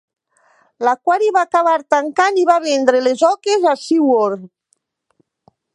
L'aquari va acabar tancant i va vendre les orques a SeaWorld.